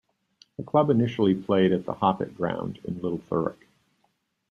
The club initially played at the Hoppit Ground in Little Thurrock.